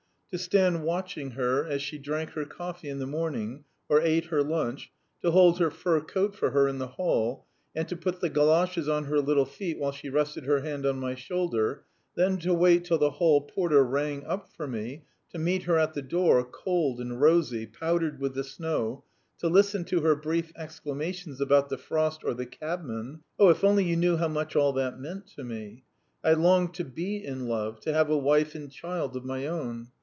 To stand watching her as she drank her coffee in the morning or ate her lunch, to hold her fur coat for her in the hall, and to put the goloshes on her little feet while she rested her hand on my shoulder; then to wait till the hall porter rang up for me, to meet her at the door, cold, and rosy, powdered with the snow, to listen to her brief exclamations about the frost or the cabman if only you knew how much all that meant to me! I longed to be in love, to have a wife and child of my own.